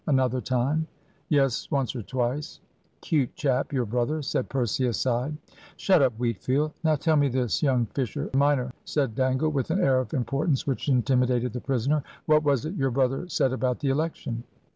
"Another time?" "Yes, once or twice." "'Cute chap, your brother," said Percy, aside. "Shut up, Wheatfield. Now tell me this, young Fisher major," said Dangle, with an air of importance which intimidated the prisoner; "what was it your brother said about the election?"